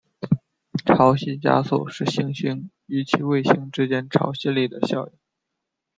潮汐加速是行星与其卫星之间潮汐力的效应。